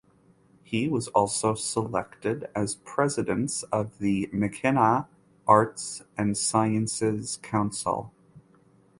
He was also selected as President of the Michiana Arts and Sciences Council.